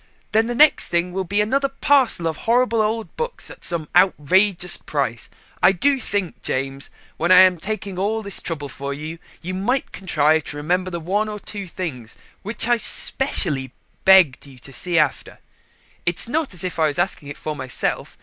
Then the next thing will be another parcel of horrible old books at some outrageous price. I do think, James, when I am taking all this trouble for you, you might contrive to remember the one or two things which I specially begged you to see after. It's not as if I was asking it for myself.